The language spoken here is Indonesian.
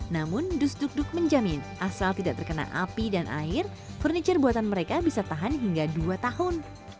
namun dus duk duk menjamin asal tidak terkena api dan air furniture buatan mereka bisa tahan hingga dua tahun